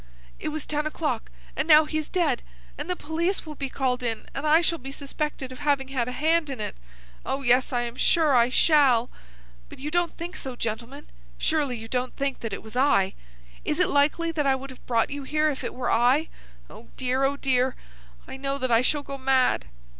"It was ten o'clock. And now he is dead, and the police will be called in, and I shall be suspected of having had a hand in it. Oh, yes, I am sure I shall. But you don't think so, gentlemen? Surely you don't think that it was I? Is it likely that I would have brought you here if it were I? Oh, dear! oh, dear! I know that I shall go mad!"